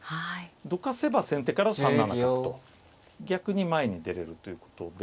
どかせば先手から３七角と逆に前に出れるということで。